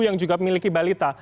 yang juga memiliki balita